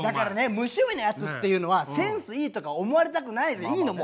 無趣味なやつっていうのはセンスいいとか思われたくないでいいのもう。